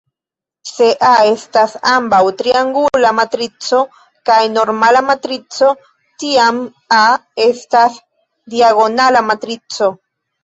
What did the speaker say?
Se "A" estas ambaŭ triangula matrico kaj normala matrico, tiam "A" estas diagonala matrico.